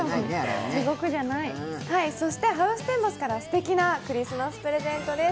そしてハウステンボスからすてきなクリスマスプレゼントです。